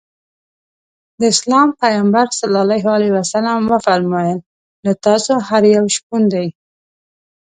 د اسلام پیغمبر ص وفرمایل له تاسو هر یو شپون دی.